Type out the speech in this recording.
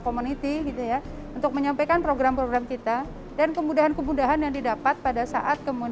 community gitu ya untuk menyampaikan program program kita dan kemudahan kemudahan yang didapat pada saat kemudian